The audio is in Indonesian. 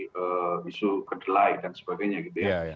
untuk menyebabkan harga di isu kedelai dan sebagainya gitu ya